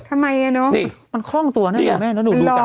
ทำไมเนี่ยเนาะมันคล่องตัวเนี่ยแม่เนาะ